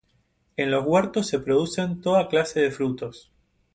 En los huertos se producen toda clase de frutos.